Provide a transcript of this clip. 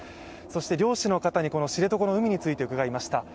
漁師の方に知床の海について伺いました。